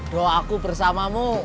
do aku bersamamu